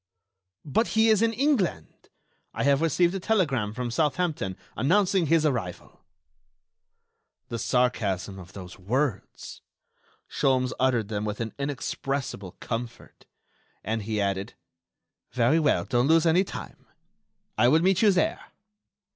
But he is in England! I have received a telegram from Southampton announcing his arrival." The sarcasm of those words! Sholmes uttered them with an inexpressible comfort. And he added: "Very well, don't lose any time. I will meet you there."